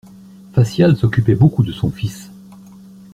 Facial s'occupait beaucoup de son fils.